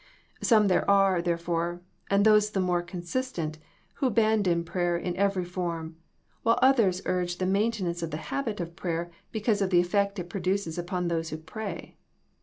Some there are, therefore, and those the more consistent, who bandon prayer in every form, while others urge the maintenance of the habit of prayer because of the effect it produces upon those who pray.